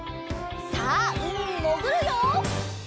さあうみにもぐるよ！